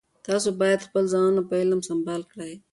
تاسو باید خپل ځانونه په علم سمبال کړئ.